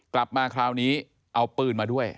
กลับมาคราวนี้เอาปืนมาด้วย